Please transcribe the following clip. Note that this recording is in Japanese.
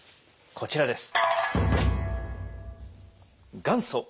こちらです。